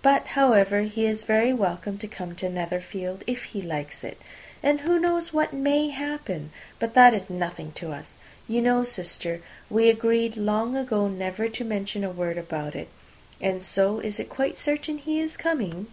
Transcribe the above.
But, however, he is very welcome to come to Netherfield, if he likes it. And who knows what may happen? But that is nothing to us. You know, sister, we agreed long ago never to mention a word about it. And so, it is quite certain he is coming?"